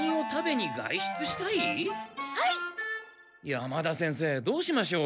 山田先生どうしましょう。